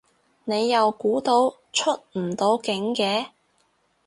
你又估到出唔到境嘅